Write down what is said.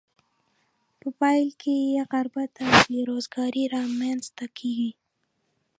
په پایله کې یې غربت او بې روزګاري را مینځ ته کیږي.